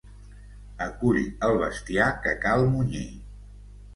Acull el bestiar que cal munyir.